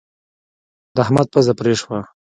د احمد پزه پرې شوه.